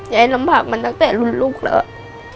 ลำบากมาตั้งแต่รุ่นลูกแล้ว